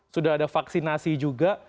sudah ada vaksinasi juga